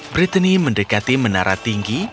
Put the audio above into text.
brittany mendekati menara tinggi